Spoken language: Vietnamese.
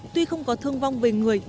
tuy không có thương vong về người